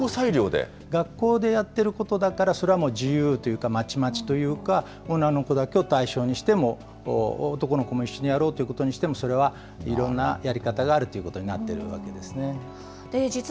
学校でやってることだから、それはもう、自由というか、まちまちというか、女の子だけを対象にしても、男の子も一緒にやろうということにしても、それはいろんなやり方があるということになっているわけですね。